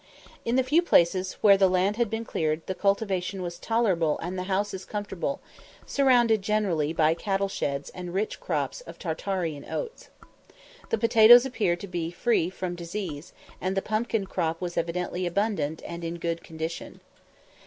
In the few places where the land had been cleared the cultivation was tolerable and the houses comfortable, surrounded generally by cattle sheds and rich crops of Tartarian oats. The potatoes appeared to be free from disease, and the pumpkin crop was evidently abundant and in good condition.